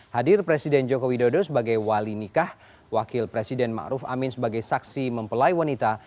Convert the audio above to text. hadir presiden joko widodo sebagai wali nikah wakil presiden ⁇ maruf ⁇ amin sebagai saksi mempelai wanita